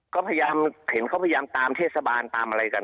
ก็พยายามเห็นเขาพยายามตามเทศบาลตามอะไรกัน